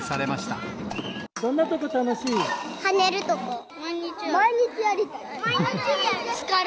どんなとこ楽しい？